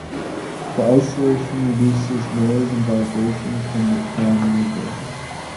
The isolation reduces noise and vibration from the prime mover.